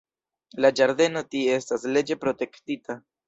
La ĝardeno tie estas leĝe protektita.